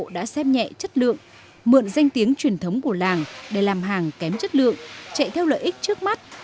đã xem nhẹ chất lượng mượn danh tiếng truyền thống của làng để làm hàng kém chất lượng chạy theo lợi ích trước mắt